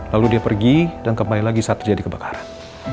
lalu dia pergi dan kembali lagi saat terjadi kebakaran